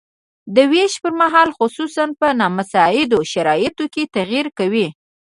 د ویش پرمهال خصوصاً په نامساعدو شرایطو کې تغیر کوي.